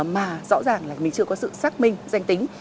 mà rõ ràng là mình chưa có sự xác minh danh tính